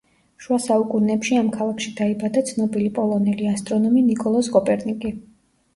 შუა საუკუნეებში ამ ქალაქში დაიბადა ცნობილი პოლონელი ასტრონომი ნიკოლოზ კოპერნიკი.